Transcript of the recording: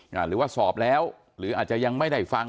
หรือว่าสอบแล้วหรืออาจจะยังไม่ได้ฟัง